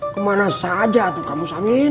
kemana saja tuh kamu samin